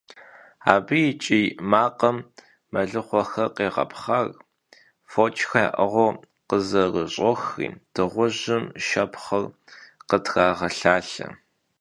Абы и кӀий макъым мэлыхъуэхэр къегъэпхъэр, фочхэр яӀыгъыу къызэрыщӀохри дыгъужьым шэпхъыр къытрагъэлъалъэ.